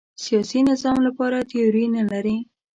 سیاسي نظام لپاره تیوري نه لري